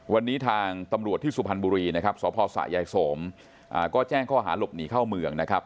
วันนี้ทางตำรวจที่สุพรรณบุรีนะครับสพสะยายสมก็แจ้งข้อหาหลบหนีเข้าเมืองนะครับ